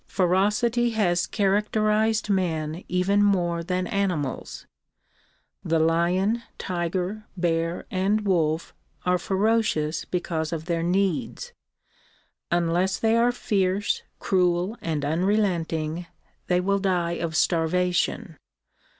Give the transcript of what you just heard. Ferocity has characterized men even more than animals. The lion, tiger, bear and wolf are ferocious because of their needs. Unless they are fierce, cruel and unrelenting they will die of starvation.